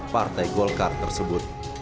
partai golkar tersebut